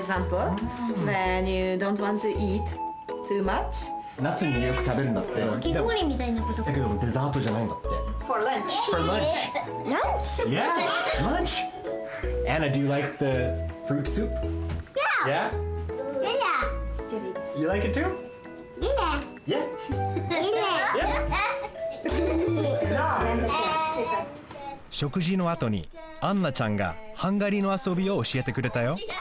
しょくじのあとにアンナちゃんがハンガリーのあそびをおしえてくれたよ